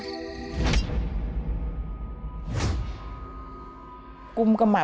พ่อลูกรู้สึกปวดหัวมาก